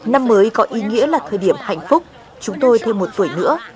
năm mới có ý nghĩa là thời điểm hạnh phúc chúng tôi thêm một tuổi nữa